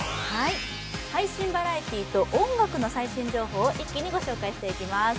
配信バラエティーと音楽の最新情報を一気に御紹介していきます。